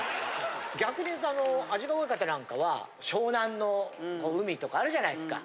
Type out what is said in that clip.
逆に言うとあの安治川親方なんかは湘南の海とかあるじゃないですか。